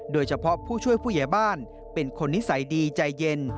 โดยเฉพาะผู้ช่วยผู้ใหญ่บ้านเป็นคนนิสัยดีใจเย็น